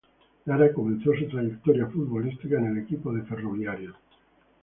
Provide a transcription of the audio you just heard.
Lara comenzó su trayectoria futbolística en el equipo de Ferroviarios.